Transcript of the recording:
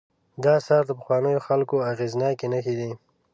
دا آثار د پخوانیو خلکو اغېزناکې نښې دي.